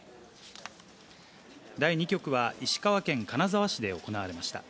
第２局は、石川県金沢市で行われました。